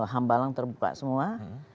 hambalang terbuka semua